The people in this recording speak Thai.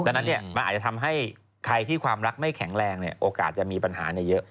ดังนั้นมันอาจจะทำให้ใครที่ความรักไม่แข็งแรงโอกาสจะมีปัญหาเยอะ